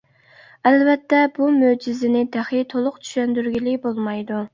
ئەلۋەتتە بۇ مۆجىزىنى تېخى تولۇق چۈشەندۈرگىلى بولمايدۇ.